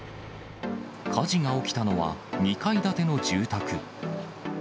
火事が起きたのは、２階建ての住宅。